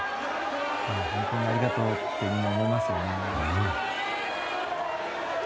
本当にありがとうって思いますよね。